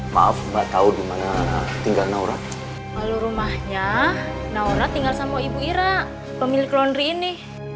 maaf mbak tahu dimana tinggal naurat kalau rumahnya naurat tinggal sama ibu ira pemilik laundry ini